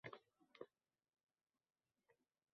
Hatto taqdiriga ham taʼsir qilishi aytilgan.